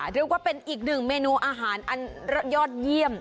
เรียกว่าเป็นอีกหนึ่งเมนูอาหารอันยอดเยี่ยม